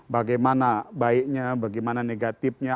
bagaimana baiknya bagaimana negatifnya